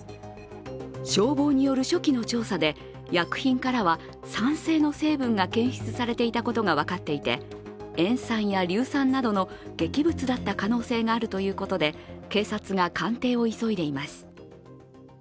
消防による初期の調査で薬品からは酸性の成分が検出されていたことが分かっていて塩酸や硫酸などの劇物だった可能性があるということで、警察が鑑定を急いでいます。